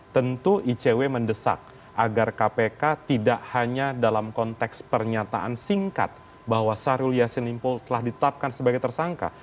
tentu icw mendesak agar kpk tidak hanya dalam konteks pernyataan singkat bahwa syahrul yassin limpo telah ditetapkan sebagai tersangka